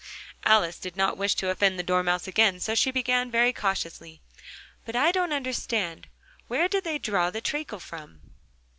Alice did not wish to offend the Dormouse again, so she began very cautiously: "But I don't understand. Where did they draw the treacle from?"